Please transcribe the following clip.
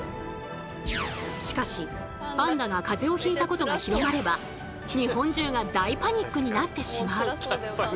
しかしパンダがかぜをひいたことが広まれば日本中が大パニックになってしまう。